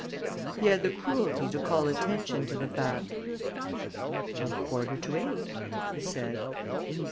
He had the cruelty to call attention to the fact: "A quarter to eight," he said.